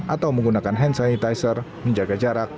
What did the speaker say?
atau menggunakan hand sanitizer menjaga jarak